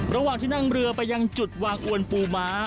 ระหว่างที่นั่งเรือไปยังจุดวางอวนปูม้า